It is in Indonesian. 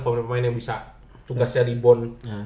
pemain pemain yang bisa tugasnya di bond